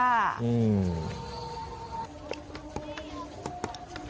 อืม